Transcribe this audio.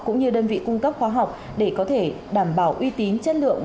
cũng như đơn vị cung cấp khoa học để có thể đảm bảo uy tín chất lượng